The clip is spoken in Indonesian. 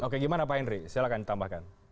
oke gimana pak henry silahkan ditambahkan